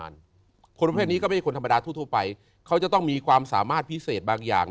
รูปเวทนาสังขารวิญญาณ